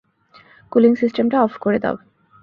Cooling সিস্টেমটা, off করে দাও!